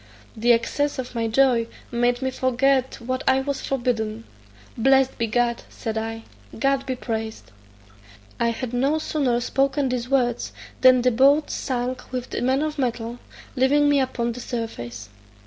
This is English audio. The excess of my joy made me forget what I was forbidden: "Blessed be God," said I; "God be praised." I had no sooner spoken these words, than the boat sunk with the man of metal, leaving me upon the surface.